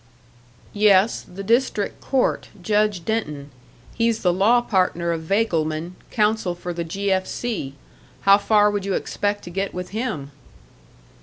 "Yes, the district court; Judge Denton. He's the law partner of Vagleman, counsel for the 'G. F. C.' How far would you expect to get with him?"